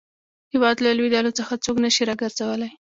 هیواد له لوېدلو څخه څوک نه شي را ګرځولای.